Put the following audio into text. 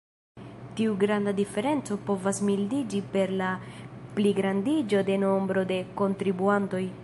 Tiu granda diferenco povas mildiĝi per la pligrandiĝo de nombro de kontribuantoj.